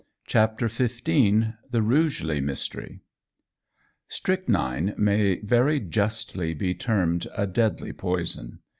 CHAPTER XV THE RUGELEY MYSTERY STRYCHNINE may very justly be termed a deadly poison.